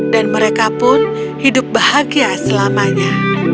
dan mereka pun hidup bahagia selamanya